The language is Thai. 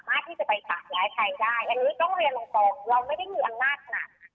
อันนี้ต้องเรียนลงตรงเราไม่ได้มีอำนาจหนัก